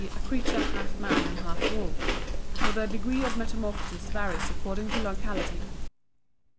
_, a creature half man and half wolf; for the degree of metamorphosis varies according to locality.